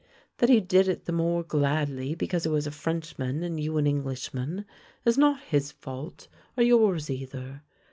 That he did it the more gladly because he was a Frenchman and you an Englishman is not his fault, or yours either.